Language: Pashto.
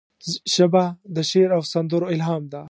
ژبه د شعر او سندرو الهام ده